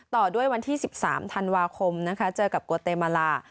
ต่อด้วยวันที่๑๓ธันวาคมเจอกับกูอะเตเมลา